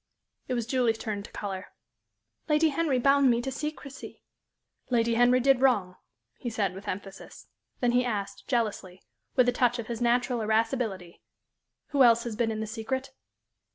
It was Julie's turn to color. "Lady Henry bound me to secrecy." "Lady Henry did wrong," he said, with emphasis. Then he asked, jealously, with a touch of his natural irascibility, "Who else has been in the secret?"